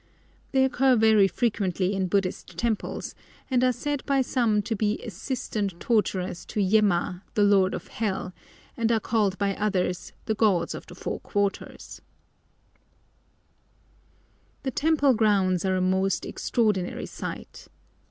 They occur very frequently in Buddhist temples, and are said by some to be assistant torturers to Yemma, the lord of hell, and are called by others "The gods of the Four Quarters." [Picture: Stone Lanterns] The temple grounds are a most extraordinary sight.